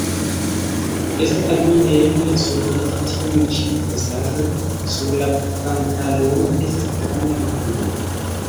Estas al mi neeble surmeti tiun ĉi vestaĵon; sur la pantalono estas granda makulo.